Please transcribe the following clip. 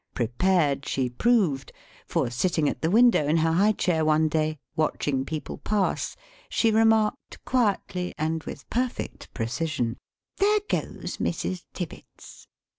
Prepared she proved, for, sitting at the window in her high chair one day, watching people pass, she remarked quietly and with perfect precision, " There goes Mrs. Tibbets."